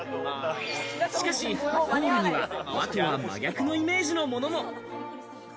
しかしホールには和とは真逆のイメージのものも。